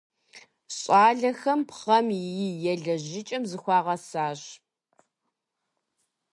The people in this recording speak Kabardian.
Щӏалэхэм пхъэм и елэжьыкӏэм зыхуагъэсащ.